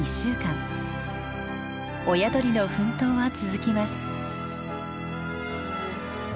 親鳥の奮闘は続きます。